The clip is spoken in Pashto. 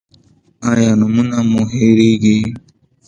ایا نومونه مو هیریږي؟